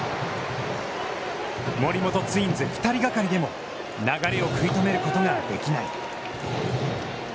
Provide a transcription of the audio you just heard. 森本ツインズ２人がかりでも流れを食いとめることができない。